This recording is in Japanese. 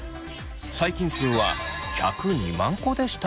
細菌数は１０２万個でした。